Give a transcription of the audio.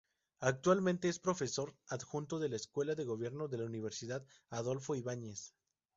Actualmente es profesor adjunto de la Escuela de Gobierno de la Universidad Adolfo Ibáñez.